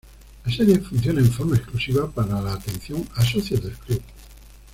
La Sede funciona en forma exclusiva para la atención a Socios del Club.